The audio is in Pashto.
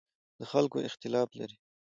له خلکو اختلاف لري.